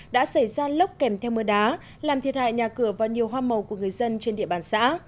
đã xảy ra lốc kèm theo mưa đá làm thiệt hại nhà cửa và nhiều hoa màu của người dân trên địa bàn xã